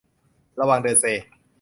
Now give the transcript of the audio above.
ระวังเดินเซ